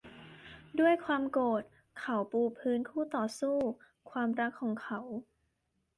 ด้วยความโกรธเขาปูพื้นคู่ต่อสู้ความรักของเขา